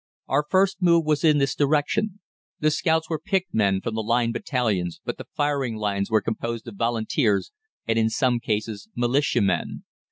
Our first move was in this direction. The scouts were picked men from the Line battalions, but the firing lines were composed of Volunteers and, in some cases, Militiamen.